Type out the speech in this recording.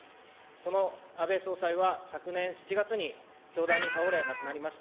その安倍総裁は昨年７月に凶弾に倒れ、亡くなりました。